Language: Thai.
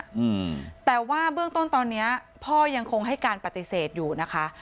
อืมแต่ว่าเบื้องต้นตอนเนี้ยพ่อยังคงให้การปฏิเสธอยู่นะคะ